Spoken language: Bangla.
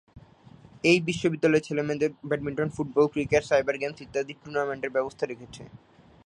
এই বিশ্ববিদ্যালয়ে ছেলে-মেয়েদের badminton, football, cricket, cyber games ইত্যাদি টুর্নামেন্টের ব্যবস্থা রেখেছে।